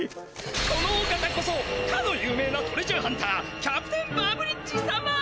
このお方こそかの有名なトレジャーハンターキャプテンバブリッチ様！